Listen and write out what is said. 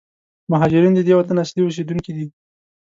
مهارجرین د دې وطن اصلي اوسېدونکي دي.